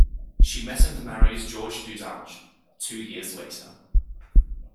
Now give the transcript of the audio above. She met and married George Dudach two years later.